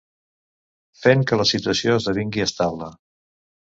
Fent que la situació esdevingui estable.